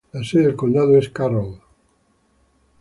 La sede del condado es Carroll.